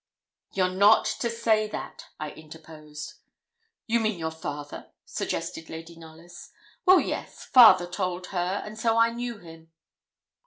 'You're not to say that,' I interposed. 'You mean your father?' suggested Lady Knollys. 'Well, yes; father told her, and so I knew him.'